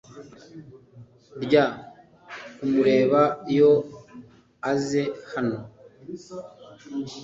rya kumureba yo aze hano